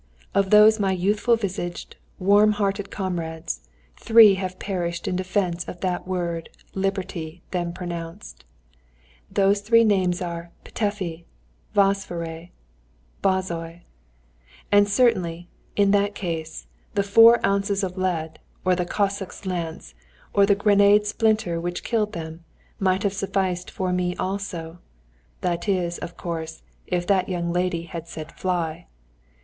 of those my youthful visaged, warm hearted comrades, three have perished in defence of that word "Liberty" then pronounced: those three names are "Petöfi," "Vasváry," "Bozzai." And certainly, in that case, the four ounces of lead, or the cossack's lance, or the grenade splinter which killed them, might have sufficed for me also that is, of course, if that young lady had said "Fly!"